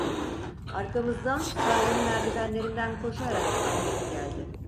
Arkamızdan sarayın merdivenlerinden koşarak Ahmet geldi.